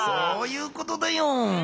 そういうことだよ！